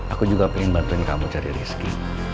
aku juga pengen bantuin kamu cari rezeki